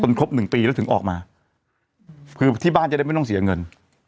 ครบหนึ่งปีแล้วถึงออกมาคือที่บ้านจะได้ไม่ต้องเสียเงิน